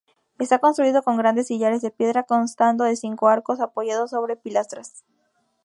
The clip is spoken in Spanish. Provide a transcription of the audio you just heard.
Está construido con grandes sillares de piedra, constando de cinco arcos apoyados sobre pilastras.